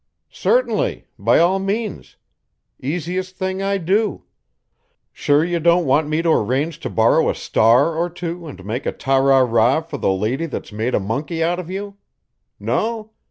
"Certainly. By all means! Easiest thing I do! Sure you don't want me to arrange to borrow a star or two to make a ta ra ra for the lady that's made a monkey out of you? No?